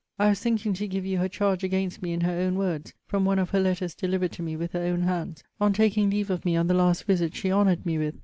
I was thinking to give you her charge against me in her own words, from one of her letters delivered to me with her own hands, on taking leave of me on the last visit she honoured me with.